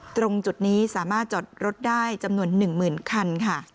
ตรงจุดนี้สามารถจอดรถได้จำนวน๑๐๐๐คันค่ะ